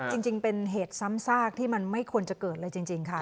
จริงเป็นเหตุซ้ำซากที่มันไม่ควรจะเกิดเลยจริงค่ะ